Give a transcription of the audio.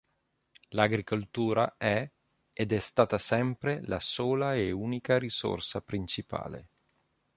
L'agricoltura è ed è stata sempre la sola e unica risorsa principale.